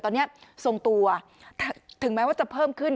ตอนนี้ทรงตัวถึงแม้ว่าจะเพิ่มขึ้น